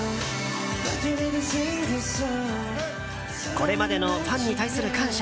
これまでのファンに対する感謝